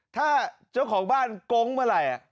ถ้าเจ้าของบ้านโก๊งเมื่อไหร่